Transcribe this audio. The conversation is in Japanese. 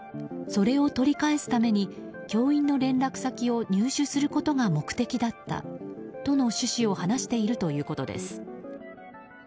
それを取り返すために教員の連絡先を入手することが目的だったとの趣旨を話しているということです。